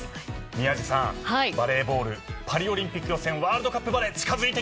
宮司さんバレーボールパリオリンピック予選ワールドカップバレー近づいてきましたね。